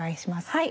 はい。